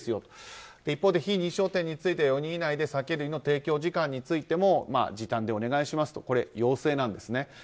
一方で非認証店については４人以内で酒類の提供時間についても時短でお願いしますとこれ、要請なんですね。